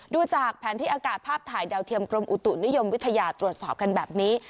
ดูจากแผนที่อากาศภาพถ่ายดาวเทียมกรมอุตุนิยมวิทยาตรวจสอบกันแบบนี้